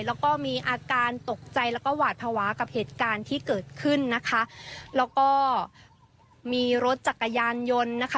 แล้วก็มีอาการตกใจแล้วก็หวาดภาวะกับเหตุการณ์ที่เกิดขึ้นนะคะแล้วก็มีรถจักรยานยนต์นะคะ